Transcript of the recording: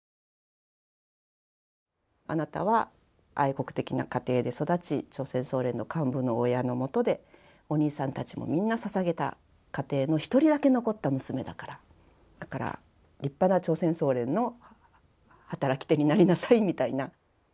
あなたは愛国的な家庭で育ち朝鮮総連の親の下でお兄さんたちもみんなささげた家庭の一人だけ残った娘だからだから立派な朝鮮総連の働き手になりなさいみたいな。